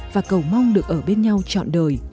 và cầu mong được ở bên nhau trọn đời